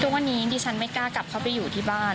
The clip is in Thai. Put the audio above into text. ทุกวันนี้ดิฉันไม่กล้ากลับเข้าไปอยู่ที่บ้าน